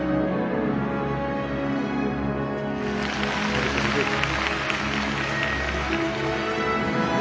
トリプルループ。